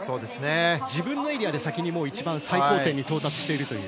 自分のエリアで最高点に到達しているという。